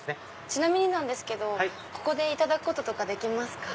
ちなみになんですけどここでいただくことできますか？